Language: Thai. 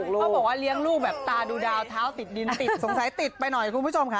เขาบอกว่าเลี้ยงลูกแบบตาดูดาวเท้าติดดินติดสงสัยติดไปหน่อยคุณผู้ชมค่ะ